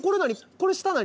これ下何？